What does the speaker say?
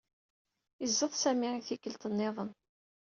Iẓra-t Sami i tikkelt niḍen.